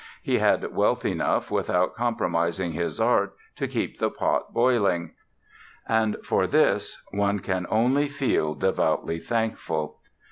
He had wealth enough without compromising his art to keep the pot boiling—and for this one can only feel devoutly thankful.